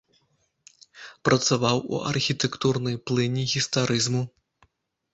Працаваў у архітэктурнай плыні гістарызму.